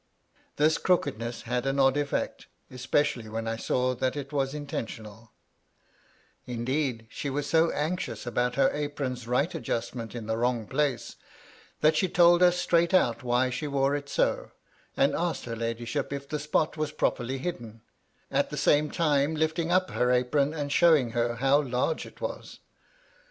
This crookedness had an odd effect, especially when I saw that it was intentional ; indeed, she was so anxious about her apron's right adjustment in the wrong place, that she told us straight out why she wore it so, and asked her ladyship if the spot was properly hidden, at the same time lifting up her apron and showing her how large it was.